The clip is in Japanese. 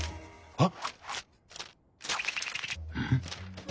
あっ！